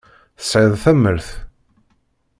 Tesɛiḍ tamert.